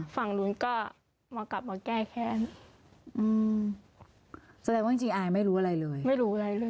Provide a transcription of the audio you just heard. ฝั่งนู้นก็มากลับมาแก้แค่นี้อืมแสดงว่าจริงจริงอายไม่รู้อะไรเลยไม่รู้อะไรเลย